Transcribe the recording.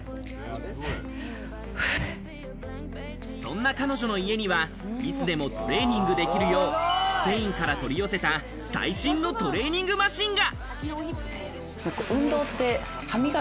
そんな彼女の家にはいつでもトレーニングできるよう、スペインから取り寄せた最新のトレーニングマシンが。